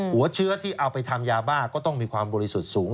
หัวเชื้อที่เอาไปทำยาบ้าก็ต้องมีความบริสุทธิ์สูง